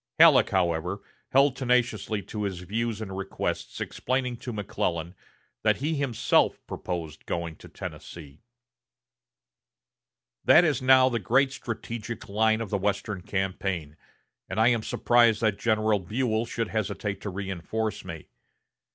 Halleck, however, held tenaciously to his views and requests, explaining to McClellan that he himself proposed going to Tennessee: "That is now the great strategic line of the western campaign, and I am surprised that General Buell should hesitate to reinforce me.